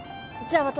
じゃあ私